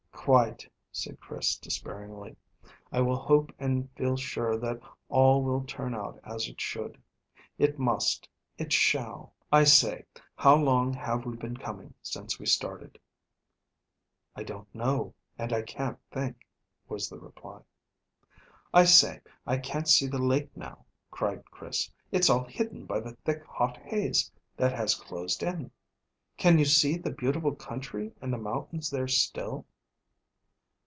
"Quite," said Chris despairingly. "I will hope and feel sure that all will turn out as it should. It must. It shall. I say, how long have we been coming since we started?" "I don't know, and I can't think," was the reply. "I say, I can't see the lake now," cried Chris. "It's all hidden by the thick hot haze that has closed in." "Can you see the beautiful country and the mountains there still?"